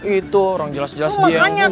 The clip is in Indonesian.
itu orang jelas jelas dia yang bilang